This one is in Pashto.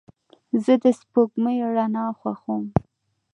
زه د سپوږمۍ رڼا خوښوم.